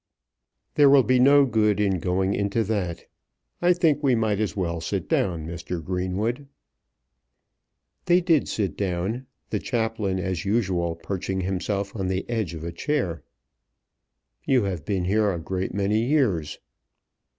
"There will be no good in going into that. I think we might as well sit down, Mr. Greenwood." They did sit down, the chaplain as usual perching himself on the edge of a chair. "You have been here a great many years."